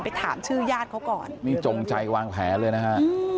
ไปถามชื่อยาดเขาก่อนจงใจวางแผนเลยนะคะ